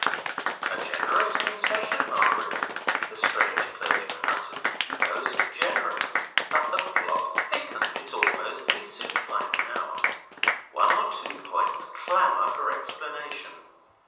'A generous concession, Margaret,' the strange clergyman uttered, 'most generous, but the plot thickens. It's almost pea soup like now. One or two points clamour for explanation.